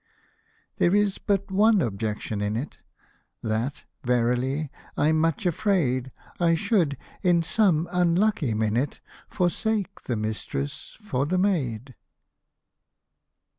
There is but one objection in it — That, verily, I'm much afraid I should, in some unlucky minute, Forsake the mistress for the maid.